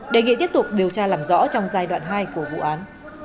đề nghị tiếp tục điều tra làm rõ trong giai đoạn hai của vụ án